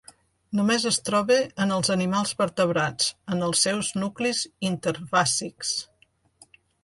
Només es troba en els animals vertebrats, en els seus nuclis interfàsics.